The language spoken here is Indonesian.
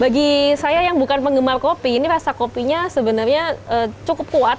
bagi saya yang bukan penggemar kopi ini rasa kopinya sebenarnya cukup kuat